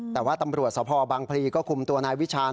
แต่ว่าตำรวจสพบังพลีก็คุมตัวนายวิชาณ